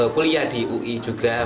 kuliah di ui juga